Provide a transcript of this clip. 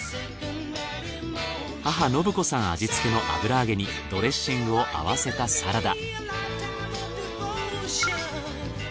母亘子さん味付けの油揚げにドレッシングを合わせたサラダ。